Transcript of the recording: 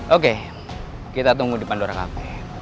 oke kita tunggu di pandora kami